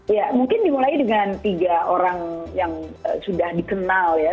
ya mungkin dimulai dengan tiga orang yang sudah dikenal ya